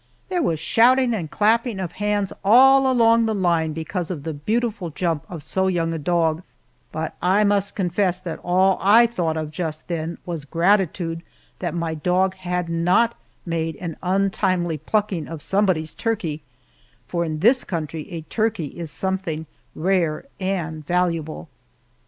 There was a shouting and clapping of hands all along the line because of the beautiful jump of so young a dog, but I must confess that all I thought of just then was gratitude that my dog had not made an untimely plucking of somebody's turkey, for in this country a turkey is something rare and valuable.